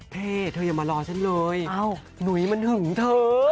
เธออย่ามารอฉันเลยหนุ่ยมันหึงเธอ